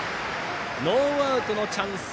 ノーアウトのチャンス